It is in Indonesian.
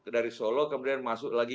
dari solo kemudian masuk lagi